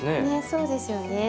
そうですよね。